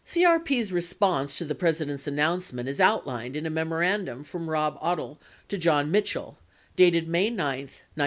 CRP's response to the President's an nouncement is outlined in a memorandum from Rob Odle to John Mitchell, dated May 9, 1972.